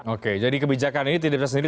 oke jadi kebijakan ini tidak bisa sendiri